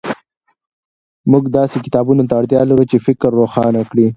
موږ داسې کتابونو ته اړتیا لرو چې فکر روښانه کړي.